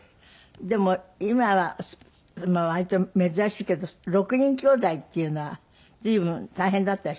でも今は割と珍しいけど６人きょうだいっていうのは随分大変だったでしょうね